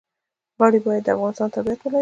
غړي باید د افغانستان تابعیت ولري.